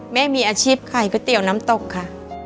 แม่มีอาชีพขายก๋วยเตี๋ยวน้ำตกค่ะ